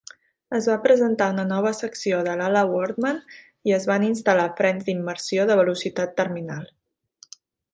Es va presentar una nova secció de l'ala Wortmann i es van instal·lar frens d'immersió de velocitat terminal.